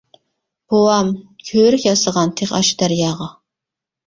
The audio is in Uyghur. بوۋام كۆۋرۈك ياسىغان، تېخى ئاشۇ دەرياغا.